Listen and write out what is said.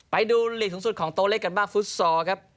ไปดูลีกสูงสุดของโตเล็กกันมากฟุตซอร์ครับ